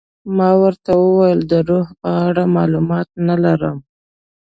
ما ورته وویل د روح په اړه معلومات نه لرم.